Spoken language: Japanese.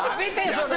それ。